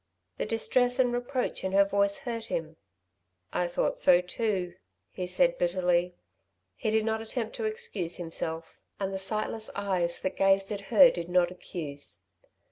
The distress and reproach in her voice hurt him. "I thought so too," he said bitterly. He did not attempt to excuse himself; and the sightless eyes that gazed at her did not accuse.